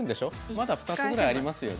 まだ２つぐらいありますよね？